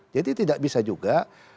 jadi tidak bisa juga